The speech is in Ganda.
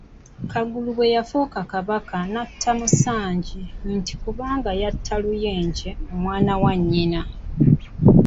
Kagulu bwe yafuuka Kabaka n'atta Musanje nti kubanga yatta Luyenje omwana wa nnyina.